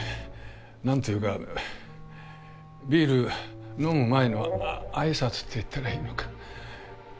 何て言うかビール飲む前の挨拶って言ったらいいのか。